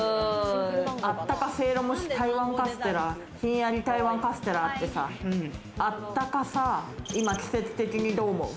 あったか蒸籠蒸し台湾カステラ、ひんやり台湾カステラってさ、あったかさ、今季節的にどう思う？